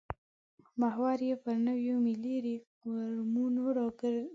محور یې پر نویو ملي ریفورمونو راڅرخي.